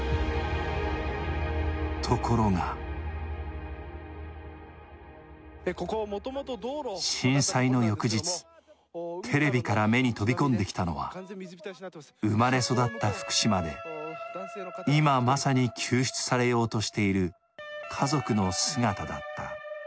ところが震災の翌日、テレビから目に飛び込んできたのは、生まれ育った福島で今まさに救出されようとしている家族の姿だった。